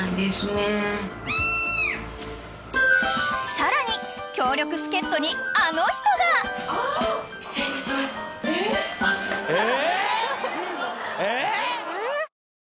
［さらに強力助っ人にあの人が］え！？え！？